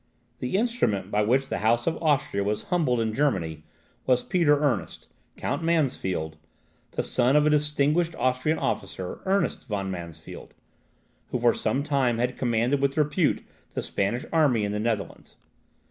The instrument by which the House of Austria was humbled in Germany, was Peter Ernest, Count Mansfeld, the son of a distinguished Austrian officer, Ernest von Mansfeld, who for some time had commanded with repute the Spanish army in the Netherlands.